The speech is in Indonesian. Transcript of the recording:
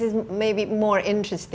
bagaimana anda memulai